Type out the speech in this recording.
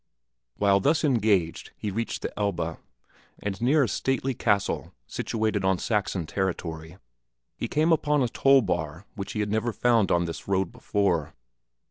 While thus engaged he reached the Elbe, and near a stately castle, situated on Saxon territory, he came upon a toll bar which he had never found on this road before.